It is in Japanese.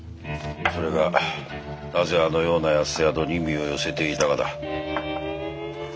それがなぜあのような安宿に身を寄せていたかだ。